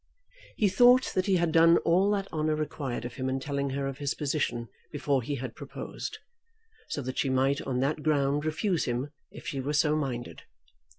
He thought that he had done all that honour required of him in telling her of his position before he had proposed; so that she might on that ground refuse him if she were so minded.